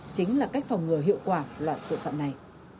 chính là cách phòng ngừa hiệu quả loại tội phạm này